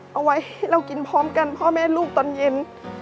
เอาไว้ให้เรากินพร้อมกันพ่อแม่ลูกตอนเย็น